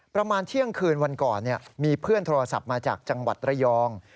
ประมาณเที่ยงคืนวันก่อนมีเพื่อนโทรศัพท์มาจากจังหวัดระยอง